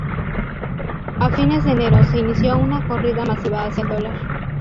A fines de enero se inició una corrida masiva hacia el dólar.